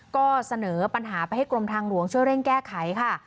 ก็เสนอปัญหาไปให้กรมทางหลวงช่วยเร่งแก้ไขค่ะ